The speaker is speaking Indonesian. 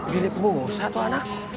gede pembungsa tuh anak